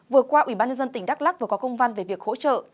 vừa qua ubnd tỉnh đắk lắc vừa có công văn về việc hỗ trợ